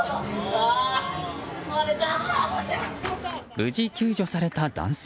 無事救助された男性。